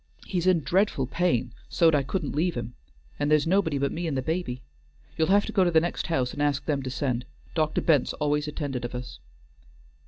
He's in dreadful pain so 't I couldn't leave him, and there's nobody but me an' the baby. You'll have to go to the next house and ask them to send; Doctor Bent's always attended of us."